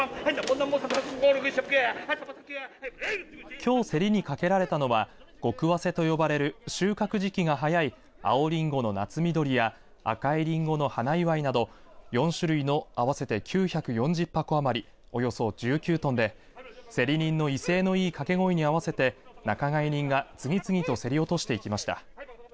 きょう競りにかけられたのは極わせと呼ばれる収穫時期が早い青リンゴの夏緑や赤いリンゴの花祝など４種類の合わせて９４０箱余りおよそ１９トンで競り人の威勢のいいかけ声に合わせて仲買人が次々と競り落としていきました。